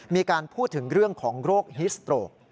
มีการพูดถึงเรื่องของโรคฮิสโตรก